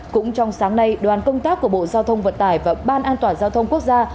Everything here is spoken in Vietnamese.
cũng trong sáng nay đoàn công tác của bộ giao thông vận tải và ban an toàn giao thông quốc gia